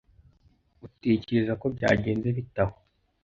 Utekereza ko byagenze bite aho?